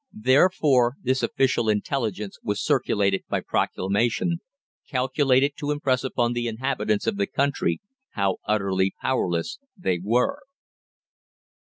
Therefore this official intelligence was circulated by proclamation, calculated to impress upon the inhabitants of the country how utterly powerless they were.